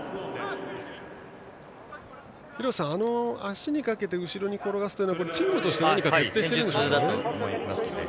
廣瀬さん、足にかけて後ろに転がすというのはこれ、チームとして何か徹底しているんですかね。